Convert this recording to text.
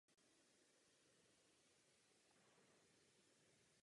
Germain je profesorem francouzštiny na lyceu.